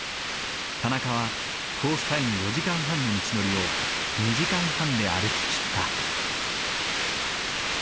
田中はコースタイム４時間半の道のりを２時間半で歩き切った。